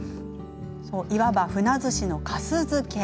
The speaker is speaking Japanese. いわば、ふなずしのかす漬け。